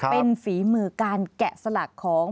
เป็นฝีมือการแกะสลักของ